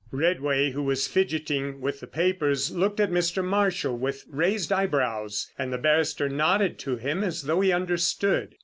Redway, who was fidgeting with the papers, looked at Mr. Marshall with raised eyebrows, and the barrister nodded to him as though he understood.